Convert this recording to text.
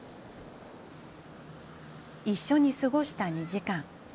一緒に過ごした２時間。